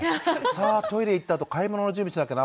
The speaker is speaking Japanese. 「さあトイレ行ったあと買い物の準備しなきゃな。